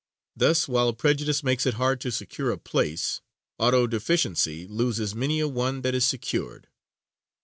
Thus while prejudice makes it hard to secure a place, auto deficiency loses many a one that is secured.